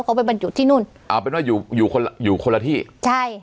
เขาไปบรรจุที่นู่นเอาเป็นว่าอยู่อยู่คนอยู่คนละที่ใช่